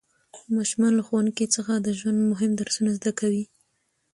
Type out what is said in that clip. ماشومان له ښوونکي څخه د ژوند مهم درسونه زده کوي